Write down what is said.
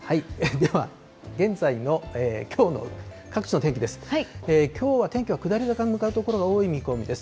では、現在のきょうの各地の天気です。